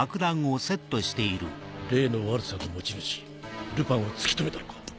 例のワルサーの持ち主ルパンは突き止めたのか？